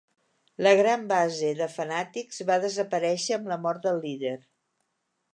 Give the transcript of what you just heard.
La gran base de fanàtics va desaparèixer amb la mort del líder.